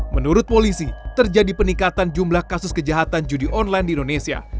menurut polisi terjadi peningkatan jumlah kasus kejahatan judi online di indonesia